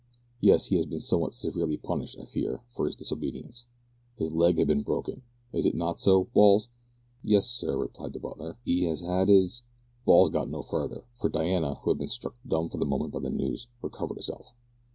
"Yes, he has been somewhat severely punished, I fear, for his disobedience. His leg had been broken. Is it not so, Balls?" "Yes, sir," replied the butler, "'e 'as 'ad 'is " Balls got no farther, for Diana, who had been struck dumb for the moment by the news, recovered herself.